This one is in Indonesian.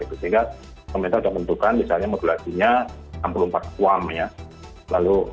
sehingga pemerintah sudah menentukan modulasi enam puluh empat qam ya